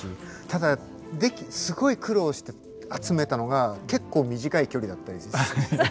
ただすごい苦労して集めたのが結構短い距離だったりして。